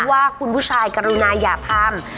ว่าคุณผู้ชายกรุณายาธรรม